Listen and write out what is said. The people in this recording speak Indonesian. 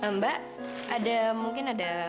mbak mungkin ada